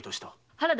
原田！